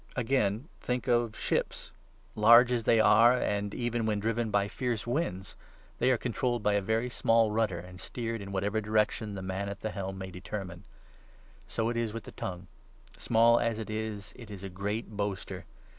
Again, think 4 of ships. Large as they are, and even when driven by fierce winds, they are controlled by a very small rudder and steered in whatever direction the man at the helm may determine. So 5 is it with the tongue. Small as it is, it is a great boaster.